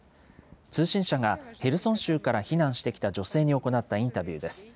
通信社がヘルソン州から避難してきた女性に行ったインタビューです。